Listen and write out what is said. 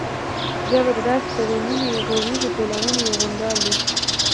ژبه د داسې تړوني غږیزو پيلامو یو غونډال دی